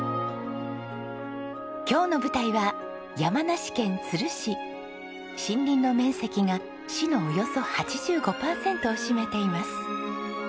今日の舞台は森林の面積が市のおよそ８５パーセントを占めています。